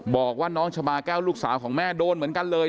บอกว่าน้องชาบาแก้วลูกสาวของแม่โดนเหมือนกันเลย